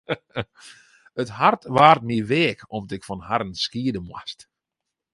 It hart waard my weak om't ik fan harren skiede moast.